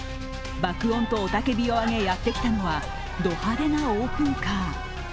爆音と雄たけびを上げやってきたのはド派手なオープンカー。